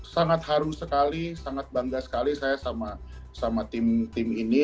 sangat haru sekali sangat bangga sekali saya sama tim ini